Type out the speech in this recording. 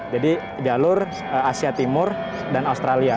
jadi jalur asia timur dan australia